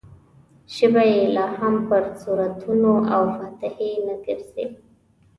ژبه یې لا هم پر سورتونو او فاتحې نه ګرځي.